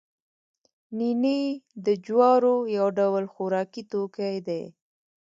نینې د جوارو یو ډول خوراکي توکی دی